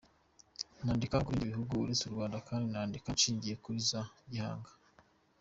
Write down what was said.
Nandika no kubindi bihugu uretse u Rwanda kandi nandika nshingiye kuri za gihamya.